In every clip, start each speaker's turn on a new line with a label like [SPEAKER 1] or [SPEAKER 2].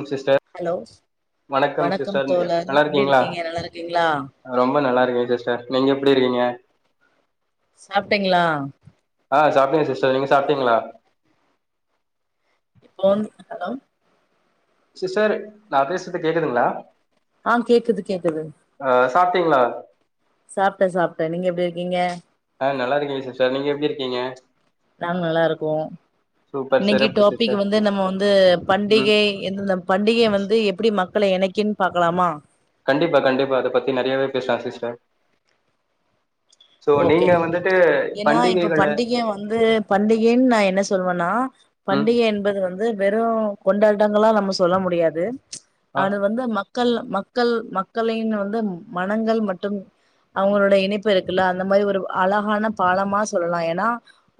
[SPEAKER 1] ம் sister
[SPEAKER 2] hello வணக்கம்
[SPEAKER 1] sister
[SPEAKER 2] தோழர்
[SPEAKER 1] நல்லா
[SPEAKER 2] எப்டி
[SPEAKER 1] இருக்கீங்களா
[SPEAKER 2] இருக்கீங்க நல்லா இருக்கீங்களா
[SPEAKER 1] ரொம்ப நல்லா இருக்கே சிஸ்டர் நீங்க எப்டி இருக்கீங்க
[SPEAKER 2] சாப்ட்டீங்களா
[SPEAKER 1] ஆ சாப்ட்டேங்க சிஸ்டர் நீங்க சாப்ட்டீங்ளா
[SPEAKER 2] [unintelligible] ஹலோ
[SPEAKER 1] சிஸ்டர் நா பேசுறது கேக்குதுங்களா
[SPEAKER 2] ஆ கேக்குது கேக்குது
[SPEAKER 1] ஆ சாப்ட்டீங்ளா
[SPEAKER 2] சாப்டே சாப்டே நீங்க எப்டி இருக்கீங்க
[SPEAKER 1] ஆ நல்லா இருக்கேங்க சிஸ்டர் நீங்க எப்டி இருக்கீங்க
[SPEAKER 2] நாங்க நல்லா இருக்கோ
[SPEAKER 1] சூப்பர்
[SPEAKER 2] இன்னைக்கி
[SPEAKER 1] சிறப்பு
[SPEAKER 2] டாபிக்
[SPEAKER 1] சிஸ்டர்
[SPEAKER 2] வந்து நம்ம வந்து
[SPEAKER 1] ம்
[SPEAKER 2] பண்டிகை எந்தெந்த பண்டிகை வந்து எப்டி மக்கள எணைக்குன்னு பாக்கலாமா
[SPEAKER 1] கண்டிப்பா கண்டிப்பா அத பத்தி நெறையாவே பேசலா சிஸ்டர் சோ
[SPEAKER 2] ஓகே
[SPEAKER 1] நீங்க வந்துட்டு
[SPEAKER 2] ஏன்னா இப்ப
[SPEAKER 1] பண்டிகைகள
[SPEAKER 2] பண்டிகை வந்து பண்டிகைன்னு நா என்ன சொல்லுவன்னா
[SPEAKER 1] ம்
[SPEAKER 2] பண்டிகை என்பது வந்து வெறு கொண்டாட்டங்கல்லா நம்ம சொல்ல முடியாது
[SPEAKER 1] ஆ
[SPEAKER 2] அது வந்து மக் மக்கள் மக்கள் மக்களின் வந்து மனங்கள் மற்றும் அவங்களுடைய இணைப்பு இருக் ல்ல அந்த மாரி ஒரு அழகான பாலமா சொல்லலா ஏனா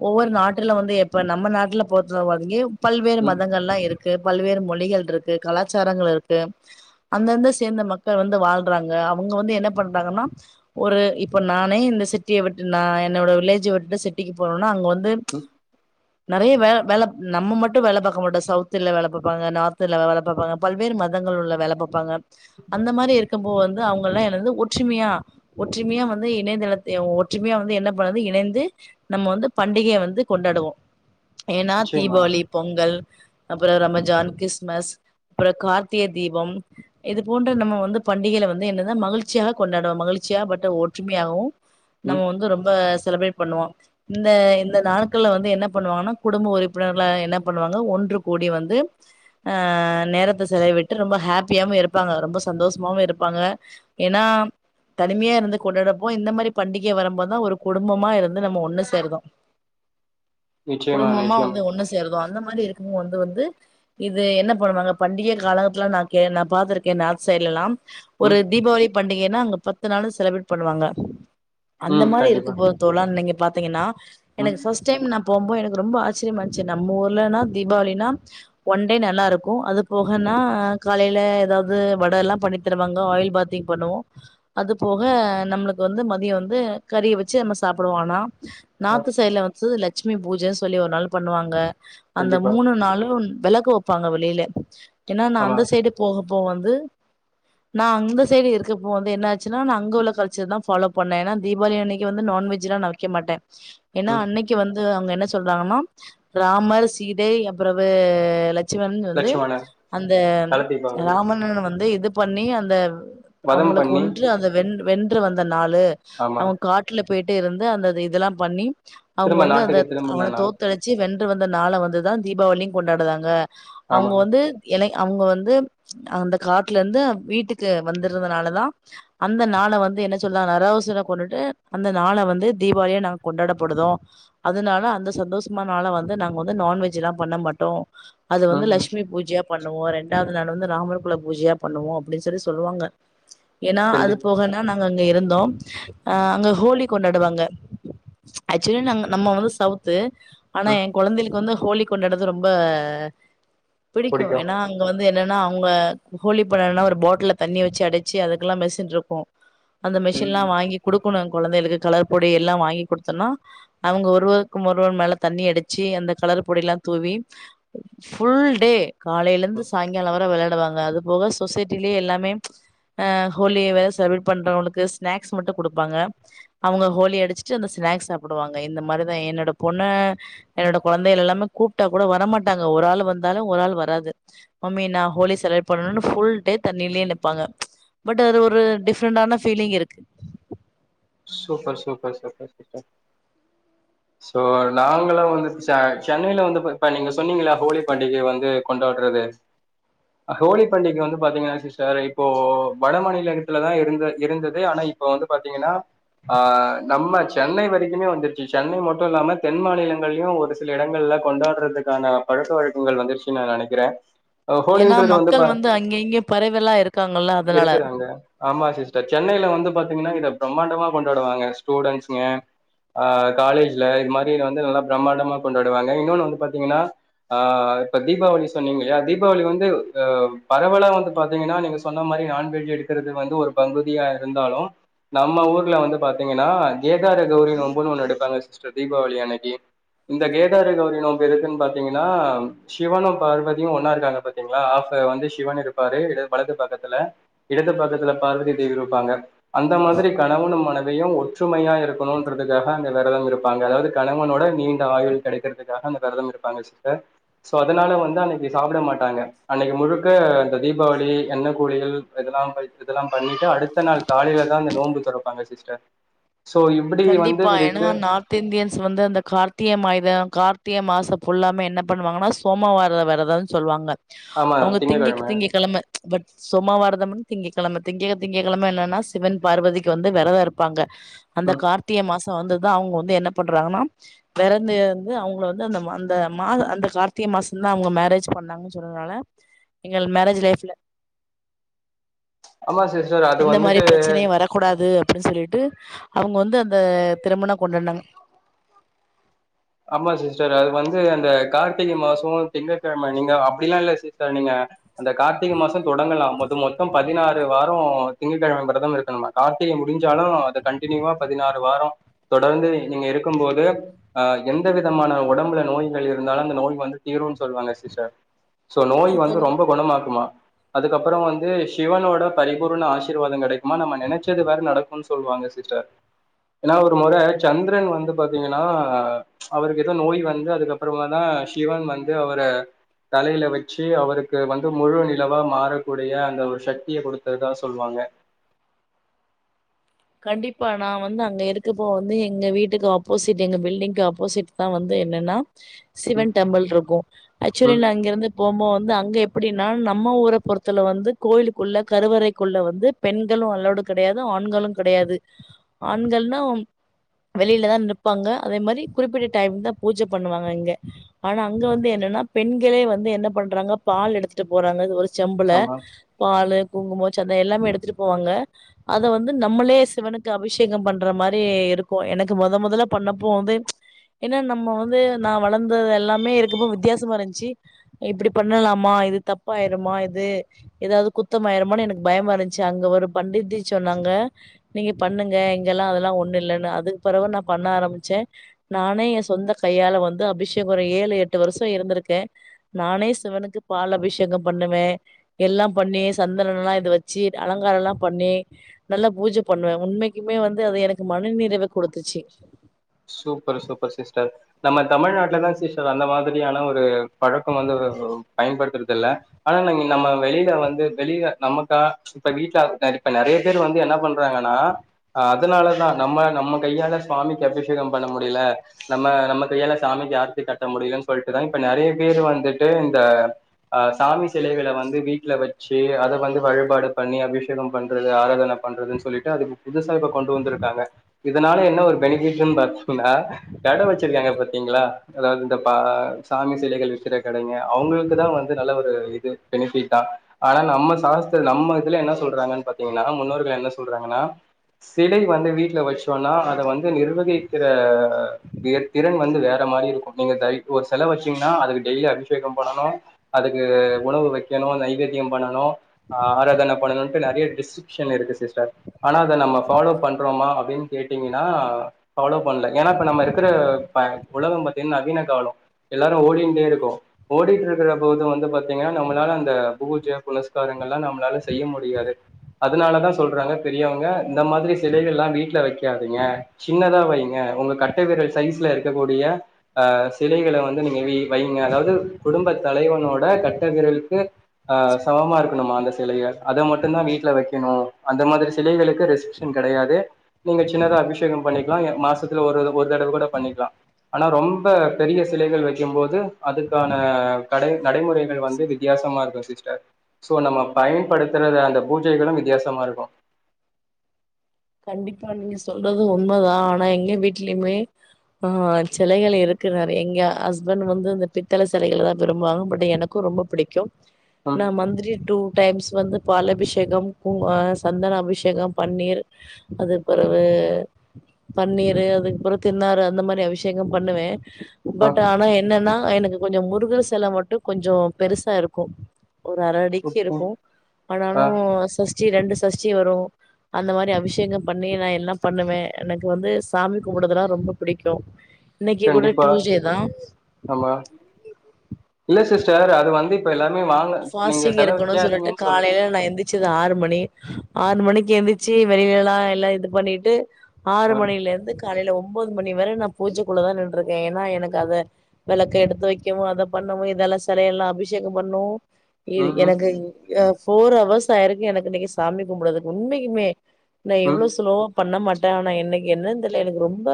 [SPEAKER 2] ஒவ்வொரு நாட்டுல வந்து எப்ப நம்ம நாட்டுல பொறுத்த வரைக்கி பல்வேறு
[SPEAKER 1] ம்
[SPEAKER 2] மதங்கெல்லா இருக் இருக்கு பல்வேறு மொழிகள் இருக்கு கலாச்சாரங்கள் இருக்கு அந்தந்த சேந்த மக்கள் வந்து வாழ்றாங்க அவங்க வந்து என்ன பண்றாங்கன்னா ஒரு இப்பன் நானே இந்த சிட்டிய விட்டு நா என்னவுட வில்லேஜ விட்டு சிட்டிக்கு போனோனா அங்க வந்தும்
[SPEAKER 1] ம்
[SPEAKER 2] நிறைய வே வேலப் நம்ம மட்டு வேல பாக்க மாட்டோ சவ்த்துல வேல பாப்பாங்க நார்த்துல வேல பாப்பாங்க பல்வேறு மதங்கள் உள்ள வேல பாப்பாங்க அந்த மாரி இருக்கும் போ வந்து அவங்கல்லா என்னது ஒற்றுமையா ஒற்றுமையா வந் நி இணையதளத்ய ஒற்றுமையா வந்து என்ன பண்ணுது இணைந்து நம்ம வந்து பண்டிகைய வந்து கொண்டாடுவோ ஏன்னா
[SPEAKER 1] நிச்சயமா
[SPEAKER 2] தீபாவளி பொங்கல் அப்பறோ ரமஜான் கிஸ்மஸ் ப்ற கார்த்திக தீபம் இது போன்ற நம்ம வந்து பண்டிகைல வந்து என்ன தா மகிழ்ச்சியாக கொண்டாட்றோ மகிச்சியா பட்டு வோட் ற்றுமையாவு
[SPEAKER 1] ம்
[SPEAKER 2] நம்ம வந்து ரொம்ப செலப்ரேட் பண்ணுவா இந்த இந்த நாள்கள்ல வந்து என்ன பண்ணுவான்னா குடும்ப உறுப்பினர்கல என்ன பண்ணுவாங்க ஒன்று கூடி வந்து அ நேரத்த செலவிட்ரு ரொம்ப ஹாப்பியாவு இருப்பாங்க ரொம்ப சந்தோசமாவு இருப்பாங்க ஏன்னா தனிமையா இருந்து கொண்டாடப்போ இந்த மாரி பண்டிகை வரும்போத்தா ஒரு குடும்பமா இருந்து நம்ம ஒண்ணு சேருதோ
[SPEAKER 1] நிச்சயமா
[SPEAKER 2] குடும்பமா
[SPEAKER 1] நிச்சயமா
[SPEAKER 2] வந்து ஒண்ணு சேருதோ அந்த மாதி இருக்குமோ வந்து வந்து இது என்ன பண்ணுவாங்க பண்டிகைய காலகத்துலா நா கே நா பாத்திருக்கே நார்த் சைட்லல்லாம் ஒரு
[SPEAKER 1] ம்
[SPEAKER 2] தீபாவளி பண்டிகைன்னா அங்க பத்து நாளு செலப்ரேட் பண்ணுவாங்க அந்த
[SPEAKER 1] ம்
[SPEAKER 2] மாதிரி இருக்கு
[SPEAKER 1] கண்டிப்பா
[SPEAKER 2] போ தோழா நீங்க பாத்தீங்கன்னா
[SPEAKER 1] ம்
[SPEAKER 2] எனக்கு ஃபஸ் ஸ்டைம் நா போம்போது எனக்கு ரொம்ப ஆச்சரியமா இருந்ச்சு நம்ப ஊர்லனா தீபாவளினா வண்டே நென்னாருக்கு அது போகன்னா காலைல எதாவ்து வடல்லா பண்ணி திருவாங்க ஆயில் பாத்திங் பண்ணுவோ அது போக நம்ளுக் வந்து மதியோ வந்து கறி வச்சு நம்ம சாப்டுவானா
[SPEAKER 1] ஆ
[SPEAKER 2] நாத்து சைடுல வந்த்து லெக் ட்சுமி பூஜ சொல்லி ஒரு நாள் பண்ணுவாங்க அந்த
[SPEAKER 1] கண்டிப்பா
[SPEAKER 2] மூணு நாளு வெளக்கோப் ப்பாங்க வளிலே ஏன்னா நா
[SPEAKER 1] ஆமா
[SPEAKER 2] அந்த சைடு போகப்போ வந்து நா அந்த சைடு இருக்கப்போ வந்து என்ன ஆச்சுன்னா நா அங்கோள கல் ச்சர் தா ஃபாலோ பண்ணே ஏன்னா தீபாவளி அன்னைக்கி வந்து நான்வெஜ் லா நா வர்க்க மாட்டே ஏன்னா
[SPEAKER 1] ம்
[SPEAKER 2] அன்னைக்கி வந் து அவங்க என்ன சொன்னாங்கன்னா ராமர் சீதை அப்புறவு லட் சிவன் வந்து
[SPEAKER 1] லட்சமான
[SPEAKER 2] அந்த
[SPEAKER 1] தல தீபாவளி
[SPEAKER 2] ராமணன வந்து இது பண்ணி அந்த
[SPEAKER 1] வதம்
[SPEAKER 2] அவுங்கள
[SPEAKER 1] பண்ணி
[SPEAKER 2] கொன்று அந்த வென் வென்று வந்த நாளு
[SPEAKER 1] ஆமா
[SPEAKER 2] அவுங்க கா ட்டுல போயிட்டு இருந்து அந்த இதெல்லா பண்ணி அவுங்க
[SPEAKER 1] திரும்ப
[SPEAKER 2] வந்து அந்த
[SPEAKER 1] நாட்டுக்கு திரும்புன
[SPEAKER 2] அவன
[SPEAKER 1] நாள்
[SPEAKER 2] தோத்தடி ச்சி வென்று வந்த நாள வந்துதா தீபாவளி கொண்டாடுதாங்க
[SPEAKER 1] ஆமா
[SPEAKER 2] அவுங்க வந்து எலை அவுங்க வந்து அந்த காட்லுந்தா வீட்டுக்கு வந்துருந்தனாலதா அந்த நாள வந் து என்ன சொல்லா நராவ்சுர கொன்னுட்டு அந்த நாள வந்து தீபாவளியா நாங் கொண்டாடப்படுதோ அதுனால அந்த சந்தோஸ்மான நாள வந்து நாங் வந்து நான்வெஜ் லா பண்ணமாட்டோ அத வந்து
[SPEAKER 1] ம் ம்
[SPEAKER 2] லக்ஷ்மி பூஜ்யா பண்ணுவோ ரெண்டாவ்து நாள வந்து ராமர்குல பூஜ்யா பண்ணுவோ அப்டின் சொல்லி சொல்வாங்க ஏனா அது
[SPEAKER 1] கண்டிப்பா
[SPEAKER 2] போக ந நாங்க அங்க இருந்தோம் அ அங்க ஹோலி கொண்டாடுவாங்க ஆச்சுவலி நாங்க நம்ம வந்து சவ்த்து ஆனா
[SPEAKER 1] ம்
[SPEAKER 2] எ கொழந்தைள்க்கு வந்து ஹோலி கொண்டாடுது ரொம்ப பிடிக்கு
[SPEAKER 1] புடிக்கு
[SPEAKER 2] ஏன்னா உங்க வந்து என்னன்னா அவ்ங்க ஹோலி பண்ணானா ஒரு பாட்டுல்ல தண்ணி வச்சி அடச்சி அதுக்கு லா மெஸ்ஸுன்ருக்கு அந்த
[SPEAKER 1] ம்
[SPEAKER 2] மிஷின் லா
[SPEAKER 1] ம்
[SPEAKER 2] வாங்கி குடுக்குணுன் குழந்தைளுக்கு கலர் பொடி எல்லா வாங்கி குடுத்தோன்னா அவ்ங்க ஒருவர்க்கும் ஒருவர் மேல தண்ணி அடிச்சி அந்த கலரு பொடி லா தூவி ஃபுல் டே காலைலந்து
[SPEAKER 1] ம்
[SPEAKER 2] சாய்ங்கால வர வெளாடுவாங்க அது போகஸ் தொசேட்டில்யே எல்லாமே அ ஹோலி வே செலப்ரு பண்றவங்களுக்கு ஸ்நாக்ஸ் மட்டு குடுப்பாங்க அவுங்க ஹோலி அடிச்சிட்டு அந்த ஸ்நாக்ஸ் சாப்டுவாங்க இந்த மாரிதா என்னோட பொண்ணு என்னோட கொழந்தைக எல்லாமே கூப்ட்டா கூட வரமாட்டாங்க ஒரு ஆள் வந்தாலு ஒரு ஆள் வராது மம்மி நா ஹோலி செலரேட் பண்ணணு ஃபுல் டே தண்ணிலே நிப்பாங்க ச் பட் அது ஒரு டிஃப் டிப்ரண்டான ஃபீலிங் இருக்கு
[SPEAKER 1] super super super sister so நாங்களா வந்து ச சென்னைல வந்து இப்ப நீங்க சொன்னீங்களா ஹோலி பண்டிக வந்து கொண்டாடுறது ஹோலி பண்டிக வந்து பாத்தீங்கன்னா சிஸ்டர் இப்போ வட மாநிலரத்துல தா இருந்த இருந்தது ஆனா இப் இப்போ வந்து பாத்தீங்கன்னா ஆ நம்ம சென்னை வரைக்குமே வந்துருச்சு சென்னை மட்டு இல்லாம தென் மாநிலங்களயு ஒரு சில இடங்கள்ல கொண்டாடுறதுக்கான பழக்க வழக்கங்கள் வந்துருச்சுனு நா நெனக்கிறே
[SPEAKER 2] ஏன்னா மக்கள் வந்து அங்க இங்க பரவிலா இருக்காங்கல்ல அதனால
[SPEAKER 1] இருக்குறாங்க ஆமா சிஸ்டர் சென்னைல வந்து பாத்தீங்கன்னா இத பிரம்மாண்டமா கொண்டாடுவாங்க ஸ்டூடெண்ஸ்க ஆ காலேஜ்ல இது மாரி வந்து நல்லா பிரமாண்டமா கொண்டாடுவாங்க இன்னொன்னு வந்து பாத்தீங்கன்னா அ இப்ப தீபாவளி சொன்னீங்க இல்லயா தீபாவளி வந்து அ பரவலா வந்து பாத்தீங்கன்னா நீங்க சொன்ன மாரி நான்வெஜ் எடுக்குறது வந்து ஒரு பகுதியா இருந்தாலு நம்ம ஊர் ல வந்து பாத்தீங்கன்னா கேதாட கௌரி நோம்புன்னு ஒண்ணு எடுப்பாங்க சிஸ்டர் தீபாவளி அன்னைக்கி இந்த கேதாட கௌரி நோம்பு எதுக்குன் பாத்தீங்கன்னா சிவனு பார்வதியு ஒன்னா இருக்காங்க பாத்தீங்ளா அப்ப வந்து சிவன் இருப்பாரு இட வலது பக்கத்துல இடது பக்கத்துல பார்வதி தேவி இருப்பாங்க அந்த மாதிரி கணவனும் மனைவியு ஒற்றுமையா இருக்கணுன்றதுகாக அந்த வெரதம் இருப்பாங்க அதாவது கணவனோட நீண்ட ஆயுள் கெடைக்கிறதுக் காக அந்த வெரதம் இருப்பாங்க சிஸ்டர் சோ அதனால வந்து அன்னைக்கு சாப்பிட மாட்டாங்க அன்னைக்கு முழுக்க இந்த தீபாவளி எண்ணெ குளியல் இதெல்லா ப இதெல்லா பண்ணிட்டு அடுத்த நாள் காலையில தா அந்த நோன்பு துறப்பாங்க சிஸ்டர் சோ இப்டி வந்து
[SPEAKER 2] கண்டிப்பா ஏன்னா
[SPEAKER 1] இருக்கு
[SPEAKER 2] நார்த் இந்தியன்ஸ் வந்து அந்த கார்த்திகை மாயித கார்த்திகை மாசோ ஃபுல்லாமே என்ன பண்ணுவாங்கன்னா சோமாவாரோ விரதம் சொல்லுவாங்க
[SPEAKER 1] ஆமா
[SPEAKER 2] அவங்க திங்கக்
[SPEAKER 1] திங்கக்கிழமை
[SPEAKER 2] திங்கக் கெழம ச் பட் சேம்மாவாரதம்னு திங்ககிழம திங்க திங்கிக்கிழம என்னன்னா சிவன் பார்வதிக்கு வந்து விரதோ இருப்பாங்க அந்த
[SPEAKER 1] ம்.
[SPEAKER 2] கார்த்திக மாசோ வந்துதா அவங்க வந்து என்ன பண்றாங்கன்னா பிறந்து இருந்து அவங்க வந்து அந்த அந்த மாச அந்த கார்த்திகை மாசம் தா அவங்க மேரேஜ் பண்ணாங்க சொல்றதுனால எங்கள் மேரேஜ் லைஃப்ல
[SPEAKER 1] ஆமா சிஸ்டர் அது வந்துட்டு
[SPEAKER 2] கூடாது அப்டின்னு சொல்லிட்டு அவங்க வந்து அந்த திருமணம் கொண்டாடுனாங்க
[SPEAKER 1] ஆமா சிஸ்டர் அது வந்து அந்த கார்த்திகை மாசோ திங்ககெழம நீங்க அப்டிலா இல்ல சிஸ்டர் நீங்க அந்த கார்த்திக மாசோ தொடங்கலா மொத்தோ மொத்தோ பதினாறு வாரோ திங்ககெழம விரதம் இருக்கணுமா கார்த்திகை முடிஞ்சாலு அது கண்டினியூவா பதினாறு வாரோ தொடர்ந்து நீங்க இருக்கும் போது ஆ எந்த விதமான உடம்புல நோய்கள் இருந்தாலு அந்த நோய் வந்து தீருனு சொல்லுவாங்க சிஸ்டர் சோ நோய் வந்து ரொம்ப குணமாக்குமா அதுக்கப்பறோ வந்து சிவனோட பரிபூர்ண ஆசிர்வாதோ கிடைக்குமா நம்ம நினைச்சது வேற நடக் சொல்லுவாங்க சிஸ்டர் ஏன்னா ஒரு முற சந்திரன் வந்து பாத்தீங்கன்னா அவருக்கு ஏதோ நோய் வந்து அதுக்கப்புறமா தா சிவன் வந்து அவர தலையில வச்சு அவருக்கு வந்து முழு நிலவா மாறக்கூடிய அந்த ஒரு சக்திய கொடுத்ததுதா சொல்லுவாங்க
[SPEAKER 2] கண்டிப்பா நா வந்து அங்க இருக்கப்போ வந்து எங்க வீட்டுக்கு ஆப்போசிட் எங்க பில்டிங்க்கு ஆப்போசிட் தா வந்து என்னன்னா
[SPEAKER 1] ம்
[SPEAKER 2] சிவன் டெம்பிள் இருக்கு ஆக்சுவலி
[SPEAKER 1] ம்
[SPEAKER 2] நா இங்கிருந்து போமோது வந்து அங்க எப்டின்னா நம்ம ஊர பொறத்துல வந்து கோயிலுக்குள்ள கருவறைக்குள்ள வந்து பெண்களு அல்லோடு கிடையாது ஆண்களு கிடையாது ஆண்கள்னா வெளியிலதா நிப்பாங்க அதே மாரி குறிப்பிட்ட டைம் தா பூஜ பண்ணுவாங்க அங்க ஆனா அங்க வந்து என்னன்னா பெண்களே வந்து என்ன பண்றாங்க பால் எடுத்துட்டு போறாங்க ஒரு செம்புல
[SPEAKER 1] ஆமா
[SPEAKER 2] பாலு குங்குமோ சந்த எல்லாமே எடுத்துட்டு போவாங்க அத வந்து நம்மளே சிவனுக்கு அபிஷேகம் பண்ற மாரி இருக்கு எனக்கு மொத மொதல்ல பண்ணப்போ வந்து ஏன்னா நம்ம வந்து நா வளர்ந்தது எல்லாமே இருக்கப்போ வித்தியாசமா இருந்துச்சு இப்டி பண்ணலாமா இது தப்பாயிருமா இது ஏதாவது குத்தமாயிரமானு எனக்கு பயமா இருந்துச்சு அங்க ஒரு பண்டித்ஜி சொன்னாங்க நீங்க பண்ணுங்க இங்கெல்லா அதல்லா ஒண்ணு இல்லன்னு அதுக் பிறவு நா பண்ண ஆரம்பிச்சே நானே என் சொந்த கையால வந்து அபிஷேகம் ஒரு ஏழு எட்டு வருஷோ இருந்திருக்கே நானே சிவனுக்கு பால் அபிஷேகம் பண்ணுவ எல்லா பண்ணி சந்தனோலா இது வச்சி அலங்காரலா பண்ணி நல்லா பூஜ பண்ணுவ உண்மைக்குமே வந்து அது எனக்கு மன நிறைவ குடுத்துச்சு
[SPEAKER 1] சூப்பர் சூப்பர் சிஸ்டர் நம்ம தமிழ்நாட்டுல தா சிஸ்டர் அந்த மாதிரியான ஒரு பழக்கம் வந்து பயன்படுத்துறது இல்ல ஆனா இங்க நம்ம வெளில வந்து வெளில நமக்கா இப்ப வீட்ல இப்ப நறைய பேர் வந்து என்ன பண்றாங்கன்னா அ அதனால தான் நம்ம நம்ம கையால சுவாமிக்கு அபிஷேகம் பண்ண முடில நம்ம நம்ம கையால சாமிக்கு ஆர்த்தி கட்ட முடியலன் சொல்ட்டுதா இப்ப நறைய பேரு வந்துட்டு இந்த அ சாமி சிலைகள வந்து வீட்ல வச்சி அத வந்து வழிபாடு பண்ணி அபிஷேகம் பண்றது ஆராதன பண்றதுன் சொல்லிட்டு அது இப்ப புதுசா கொண்டு வந்திருக்காங்க இதனால என்ன ஒரு பெனிஃபிட் பாத்தினா கட வச்சிருக்காங்க பாத்தீங்ளா அதாவது இந்த பா சாமி சிலைகள் இருக்கிற கடைங்க அவுங்களுக்கு தா வந்து நல்ல ஒரு இது பெனிஃபிட்டா ஆனா நம்ம சாஸ்திர நம்ம இதுல என்ன சொல்றாங்கன் பாத்தீங்னா முன்னோர்கள் என்ன சொல்றாங்கனா சிலை வந்து வீட்ல வச்சோன்னா அத வந்து நிர்வகிக்கிற விக திறன் வந்து வேற மாரி இருக்கு நீங்க தை ப்போ ஒரு செல வச்சீங்கன்னா அதுக் டெய்லி அபிஷேகம் பண்ணனு அதுக்கு உணவு வெக்கணும் நைவேத்திய பண்ணணு ஆ ஆராதன பண்ணணும்ட்டு நெறய டிஸ்ட்ரிக்க்ஷன் இருக்கு சிஸ்டர் ஆனா அத நம்ம ஃபாலோ பண்றோமா அப்டின்னு கேட்டீங்கன்னா ஃபாலோ பண்ணல ஏனா இப்ப நம்ம இருக்கிற ப உலகொ பாத்தீங்ன்னா நவீன காலோ எல்லாரு ஓடின்டே இருக்கோ ஓடிட்டு இருக்றப்போது வந்து பாத்தீங்கன்னா நம்மளால அந்த பூஜ புனஸ்காரங்கள்லா நம்மளால செய்ய முடியாது அதனாலதா சொல்றாங்க பெரியவங்க இந்த மாதிரி சிலைகள்லா வீட்ல வெக்காதீங்க சின்னதா வைங்க உங்க கட்ட விரல் சைஸ்ல இருக்கக்கூடிய அ சிலைகள வந்து நீங்க வெய் வைங்க அதாவது குடும்ப தலைவனோட கட்டவிரலுக்கு ஆ சமமா இருக்கணுமா அந்த சிலைய அத மட்டுந்தா வீட்ல வெக்கணு அந்த மாதிரி சிலைகளுக்கு ரெசிப்ஷன் கெடையாது நீங்க சின்னதா அபிஷேகம் பண்ணிக்கலா மாசத்துல ஒரு ஒரு தடவ கூட பண்ணிக்லா ஆனா ரொம்ப பெரிய சிலைகள் வக்கு போது அதுக்கான நடை நடைமுறைகள் வந்து வித்தியாசமா இருக்கு சிஸ்டர் சோ நம்ம பயன் படுத்துறத அந்த பூஜைகளும் வித்தியாசமா இருக்கு
[SPEAKER 2] கண்டிப்பா நீங்க சொல்றது உண்மதா ஆனா எங்க வீட்லயுமே ஆ சிலைகள் இருக்கு நெறை எங்க ஹஸ்பண்ட் வந்து இந்த பித்தள சிலைகள்தா விரும்புவாங்க பட் எனக்கு க்கு ரொம்ப பிடிக்கு
[SPEAKER 1] ம்
[SPEAKER 2] நா மந்திரி டூ டைம்ஸ் வந்து பால் அபிஷேகம் பூ அ சந்தன அபிஷேகம் பன்னீர் அது பிறவு பன்னீரு அதுக்குப்பெறவ் திருநாறு அந்த மாரி அபிஷேகம் பண்ணுவே
[SPEAKER 1] ஆ
[SPEAKER 2] பட் ஆனா என்னன்னா எனக்கு கொஞ்சொ முருகர் செல மட்டு கொஞ்சோ பெருசா இருக்கு ஒரு அர அடிக்கு
[SPEAKER 1] ஓகே
[SPEAKER 2] இருக்கு ஆனாலு
[SPEAKER 1] ஆ
[SPEAKER 2] சஸ் ஷ்டி ரெண்டு சஷ்டி வரும் அந்த மாரி அ அபிஷேகம் பண்ணி நா எல்லா பண்ணுவே எனக்கு வந்து சாமி கும்புடுறதுனா ரொம்ப புடிக்கு இன்னைக்கு கூட
[SPEAKER 1] கண்டிப்பா
[SPEAKER 2] டுயுஸ்டேதா
[SPEAKER 1] ஆமா இல்ல சிஸ்டர் அது வந்து இப்ப எல்லாருமே வாங்
[SPEAKER 2] ஃபாஸ்டிங் இருக்கணு சொல்லிட்டு காலைல நா எந் ச்சது ஆறு மணி ஆறு மணிக்கு எந்திச்சி வெளிலேல்லா எல்லா இது பண்ணிட்டு ஆறு
[SPEAKER 1] ஆ
[SPEAKER 2] மணிலருந்து காலைல ஒம்போது மணி வர நா பூஜைக்குள்ளதா நின்றுக்கே ஏனா எனக்கு அத வெளக்க எடுத்து வைக்கவு அத பண்ணவு இதெல்லா செலெயெல்லா அபிஷேகம் பண்ணு இ
[SPEAKER 1] ம் ம்
[SPEAKER 2] எனக்கு் ஃபோர் ஹவர்ஸ் ஆயிருக்கு எனக்கு இன்னைக்கு சாமி கும்பிடுறதுக்கு உண்மைக்குமே நா
[SPEAKER 1] ம்
[SPEAKER 2] இவ்ளோ ஸ்லோவா பண்ண மாட்டே ஆனா இன்னைக்கு என்னன் தெர்ல எனக் ரொம்ப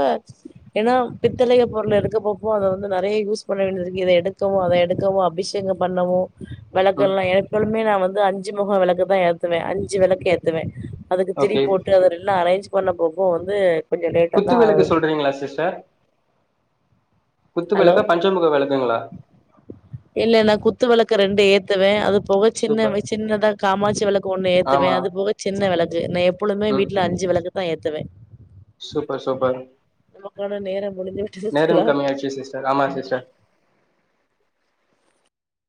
[SPEAKER 2] ஏனா பித்தளைக பொருள எடுக்கப்போ போ அது வந்து நெறைய யூஸ் பண்ண வேண்டியதுக்கு இத எடுக்கவோ அத எடுக்கவோ அபிஷேகம் பண்ணவு
[SPEAKER 1] ம்
[SPEAKER 2] வெளக்கெல்லா எப்பொழுமே நா வந்து அஞ்சு மொகோ வெளக்குதா ஏத்துவே அஞ்சு வெளக்கு ஏத் துவேன் அதுக்கு திரி
[SPEAKER 1] ஓகே
[SPEAKER 2] போட்டு அதலெல்லா அரேஞ்ச் பண்ண போப்போ வந்து கொஞ்சோ லேட்டா தா ஆவ்து
[SPEAKER 1] இவங்களா சிஸ்டர் குத்து வெளக்கா பஞ்சமுக வெளக்குங்ளா
[SPEAKER 2] இல்லேன்னா குத்து வெளக்க ரெண்டு ஏ த்துவே அது போக
[SPEAKER 1] சூப்பர்
[SPEAKER 2] சின்னவெ சின்னதா காமாட்சி வெளக்கு ஒன்னு ஏத்துவே
[SPEAKER 1] ஆமா
[SPEAKER 2] அது போக சின்ன வெளக்கு நா எப் எப்பொழுமே
[SPEAKER 1] ம்
[SPEAKER 2] வீட்ல அஞ்சு விளக்கு தா ஏத்துவே
[SPEAKER 1] சூப்பர் சூப்பர்
[SPEAKER 2] நமக்கான நேரம் முடிந்து விட்டது தோழா
[SPEAKER 1] செரி செரி சிஸ்டர் ஆமா சிஸ்டர்